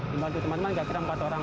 dibantu teman teman kira kira empat orang